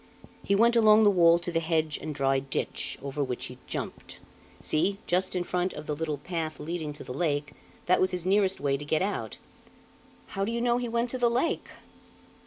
"He went along the wall to the hedge and dry ditch, over which he jumped. See, just in front of the little path leading to the lake, that was his nearest way to get out." "How do you know he went to the lake?"